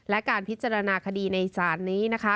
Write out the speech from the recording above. และการพิจารณาคดีในศาลนี้นะคะ